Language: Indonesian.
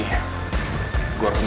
gue harus menguatirulah gitu